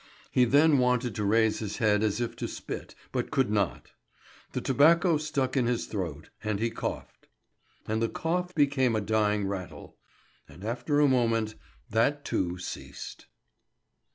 He then wanted to raise his head as if to spit, but could not; the tobacco stuck in his throat, and he coughed; and the cough became a dying rattle, and after a moment that too ceased.